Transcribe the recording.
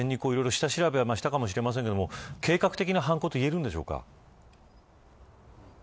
事前に、いろいろ下調べしたかもしれませんが計画的な犯行といえるんでしょうか。